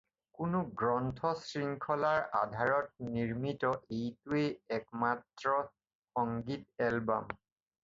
কোনো গ্ৰন্থ শৃংখলাৰ আধাৰত নিৰ্মিত এইটোৱেই একমাত্ৰ সংগীত এলবাম।